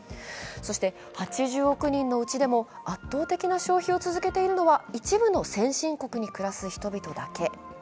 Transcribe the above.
そして８０億人のうちでも圧倒的な消費を続けているのは一部の先進国に暮らす人々だけ。